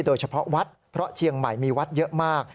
โดยเฉพาะวัดเพราะเชียงใหม่มีวัดเยอะมาก